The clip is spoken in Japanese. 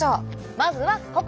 まずはここ！